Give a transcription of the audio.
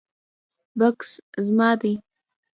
بکس زما دی